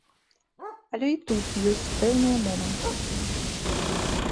Але і тут ёсць пэўныя моманты.